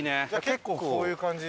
結構こういう感じ？